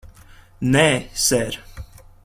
Nē, ser.